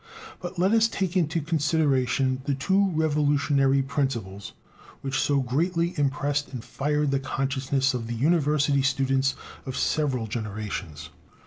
But let us take into consideration the two revolutionary principles which so greatly impressed and fired the consciousness of the university students of several generations.